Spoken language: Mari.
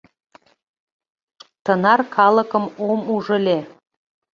Тынар калыкым ом уж ыле.